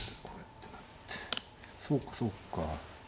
そうかそうか。